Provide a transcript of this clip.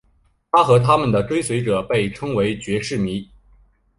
他们和他们的追随者被称为爵士迷。